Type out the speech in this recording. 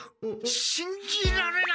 しんじられない。